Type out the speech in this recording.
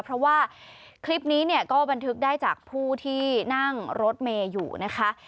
เพราะว่าคลิปนี้เนี่ยก็บันทึกได้จากผู้ที่นั่งรถเมย์อยู่นะคะ